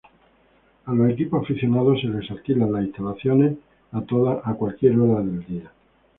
A los equipos aficionados se les alquilan las instalaciones a toda hora del día.